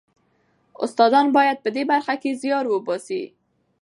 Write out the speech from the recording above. استادان باید په دې برخه کې زیار وباسي.